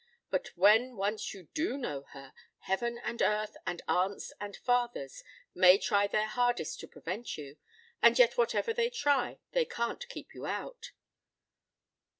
But when once you do know her, heaven and earth and aunts and fathers may try their hardest to prevent you, and yet whatever they try they can't keep you out.